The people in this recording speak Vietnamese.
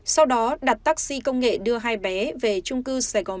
sau đó đặt taxi công nghệ đưa hai bé về trung cư sài gòn